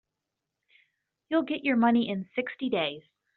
You'll get your money in sixty days.